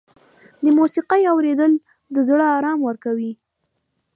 د موسیقۍ اورېدل د زړه آرام ورکوي.